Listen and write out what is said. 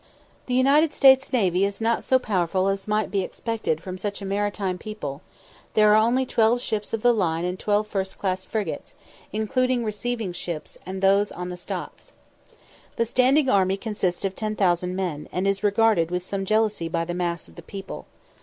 The United States navy is not so powerful as might be expected from such a maritime people. There are only twelve ships of the line and twelve first class frigates, including receiving ships and those on the stocks. The standing army consists of 10,000 men, and is regarded with some jealousy by the mass of the people.